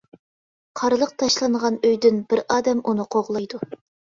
قارلىق تاشلانغان ئۆيدىن بىر ئادەم ئۇنى قوغلايدۇ.